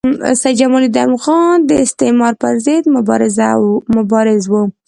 سید جمال الدین افغاني د استعمار پر ضد مبارز وو.